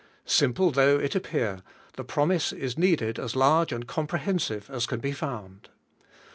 Simple though it appear, the promise is needed as large and comprehensive as can be found.